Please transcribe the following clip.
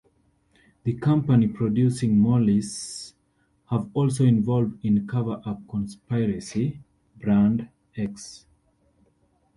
The company producing Morleys was also involved in a cover-up conspiracy, "Brand X".